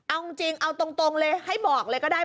เอาจริงเอาตรงเลยให้บอกเลยก็ได้